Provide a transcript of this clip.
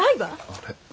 あれ？